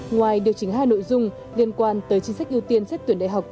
ngoài điều chỉnh hai nội dung liên quan tới chính sách ưu tiên xét tuyển đại học